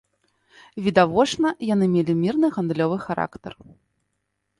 Відавочна, яны мелі мірны гандлёвы характар.